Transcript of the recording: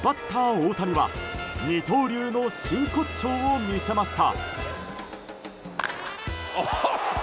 大谷は二刀流の真骨頂を見せました。